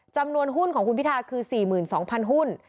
จำนวนหุ้นของคุณพิทาคือ๔๒๐๐หุ้น